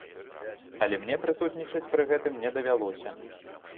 Але мне прысутнічаць пры гэтым не давялося.